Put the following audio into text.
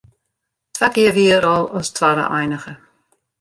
Twa kear wie er al as twadde einige.